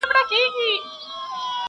عبدالباري حهاني؛